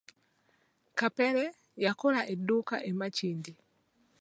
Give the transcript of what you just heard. Kapere, yakola edduuka e Makindye.